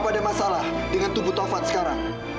apa ada masalah dengan tubuh taufan sekarang